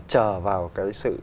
chờ vào cái sự